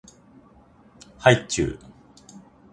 はいちゅう